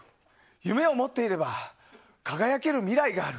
夢を持っていれば輝ける未来がある。